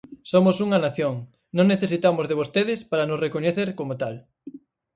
Somos unha nación, non necesitamos de vostedes para nos recoñecer como tal.